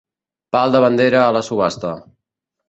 Pal de bandera a la subhasta.